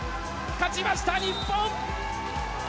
勝ちました、日本！